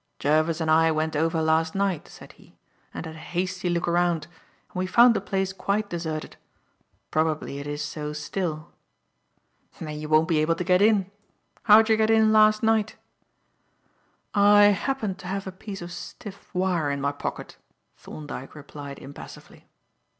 "Jervis and I went over last night," said he, "and had a hasty look round and we found the place quite deserted. Probably it is so still." "Then you won't be able to get in. How jer get in last night?" "I happened to have a piece of stiff wire in my pocket," Thorndyke replied impassively.